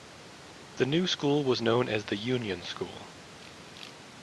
The new school was known as the Union School.